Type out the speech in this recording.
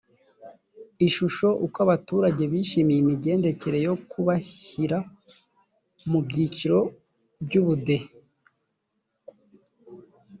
ishusho uko abaturage bishimiye imigendekere yo kubashyira mu byiciro by ubudehe